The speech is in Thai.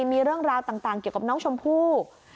มีเรื่องราวต่างเกี่ยวกับน้องชมพู่